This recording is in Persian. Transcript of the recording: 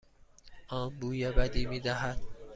آن بوی بدی میدهد.